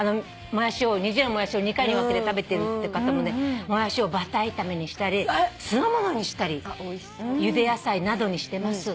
２０円のモヤシを２回に分けて食べてるって方も「モヤシをバター炒めにしたり酢の物にしたりゆで野菜などにしてます」って書いてくださって。